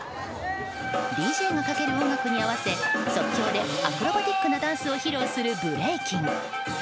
ＤＪがかける音楽に合わせ即興でアクロバティックなダンスを披露するブレイキン。